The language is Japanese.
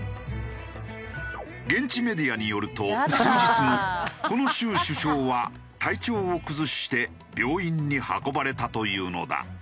現地メディアによると数日後この州首相は体調を崩して病院に運ばれたというのだ。